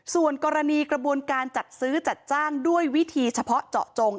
ส่วนกรณีกระบวนการจัดซื้อจัดจ้างด้วยวิธีเฉพาะเจาะจง